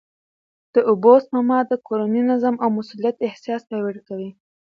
د اوبو سپما د کورني نظم او مسؤلیت احساس پیاوړی کوي.